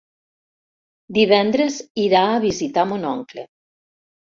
Divendres irà a visitar mon oncle.